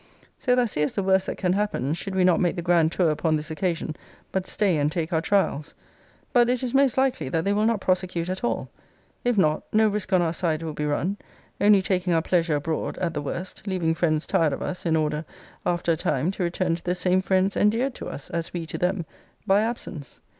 So thou seest the worst that can happen, should we not make the grand tour upon this occasion, but stay and take our trials. But it is most likely, that they will not prosecute at all. If not, no risque on our side will be run; only taking our pleasure abroad, at the worst; leaving friends tired of us, in order, after a time, to return to the same friends endeared to us, as we to them, by absence.